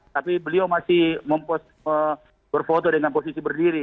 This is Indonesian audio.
tapi beliau masih berfoto dengan posisi berdiri